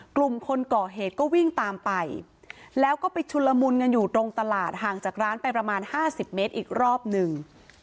กลุ่มคนก่อเหตุก็วิ่งตามไปแล้วก็ไปชุนละมุนกันอยู่ตรงตลาดห่างจากร้านไปประมาณ๕๐เมตรอีกรอบหนึ่ง